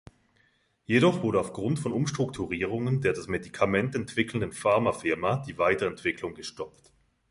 Jedoch wurde auf Grund von Umstrukturierungen der das Medikament entwickelnden Pharmafirma die Weiterentwicklung gestoppt.